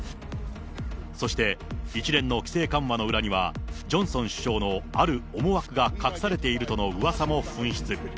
そして一連の規制緩和の裏には、ジョンソン首相のある思惑が隠されているとのうわさも噴出。